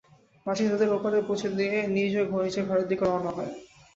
মাঝি তাদের ওপারে পৌঁছে দিয়ে নিজেও নিজের ঘরের দিকে রওনা হয়।